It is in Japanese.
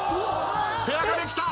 ペアができた！